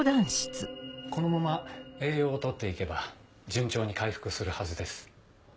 このまま栄養を取って行けば順調に回復するはずです。